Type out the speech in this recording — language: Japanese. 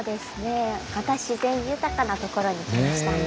また自然豊かなところに来ましたね。